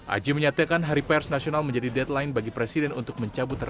aji menyatakan hari pers nasional menjadi deadline bagi presiden untuk mencabut